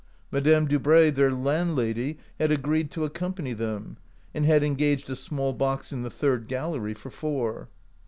Madame Dubray, their landlady, had agreed to accompany them, and had en gaged a small box in the third gallery for four.